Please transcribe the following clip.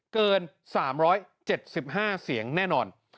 เกิน๓๗๕เสียงแน่นอน